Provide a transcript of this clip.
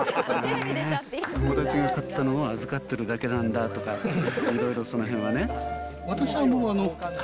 友達が買ったのを預かってるだけなんだとか、いろいろそのへんは私はもう。